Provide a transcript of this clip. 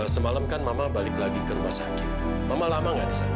semalam fadil gak ketemu sama mama